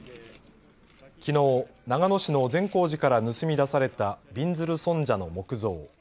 きのう、長野市の善光寺から盗み出されたびんずる尊者の木像。